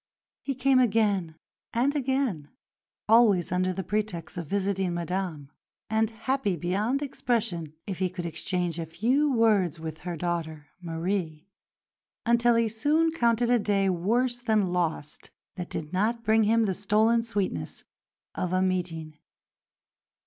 He came again and again always under the pretext of visiting Madame, and happy beyond expression if he could exchange a few words with her daughter, Marie; until he soon counted a day worse than lost that did not bring him the stolen sweetness of a meeting.